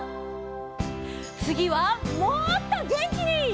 つぎはもっとげんきに！